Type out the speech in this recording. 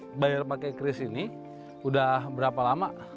ini bayar pakai kris ini sudah berapa lama